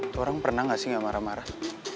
itu orang pernah gak sih gak marah marah